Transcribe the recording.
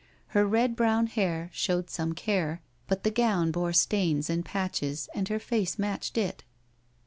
Her red brown hair showed some care, but the gown bore stains and patches, and her face matched it.